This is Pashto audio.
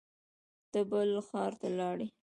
ته بل ښار ته لاړې